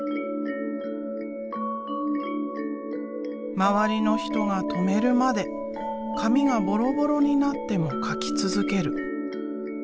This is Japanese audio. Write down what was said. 周りの人が止めるまで紙がボロボロになっても描き続ける。